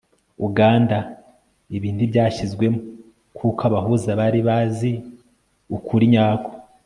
uganda. ibi ntibyashyizwemo kuko abahuza bari bazi ukuri nyako